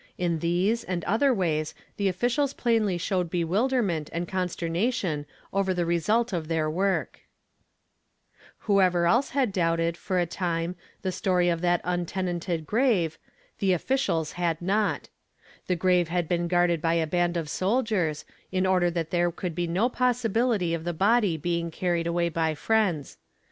In these and other ways tht officals plainly showed bewilder.nent and con sternation over the result „f tlieir work Whoever else had doubted, for a tin.e, the story of that untenanted grave, the officials had not The grave had hcon guarded by a band of sol' of he body be, ng carried away by friends.